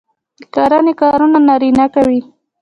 د کرنې کارونه نارینه کوي.